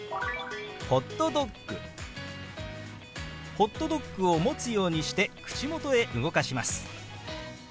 ホットドッグを持つようにして口元へ動かします。